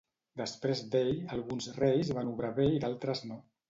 Després d'ell, alguns reis van obrar bé i d'altres no.